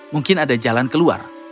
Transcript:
mungkin ada jalan keluar